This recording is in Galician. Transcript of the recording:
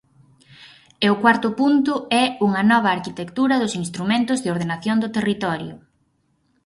E o cuarto punto é unha nova arquitectura dos instrumentos de ordenación do territorio.